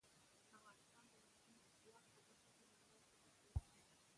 افغانستان د لمریز ځواک په برخه کې نړیوال شهرت لري.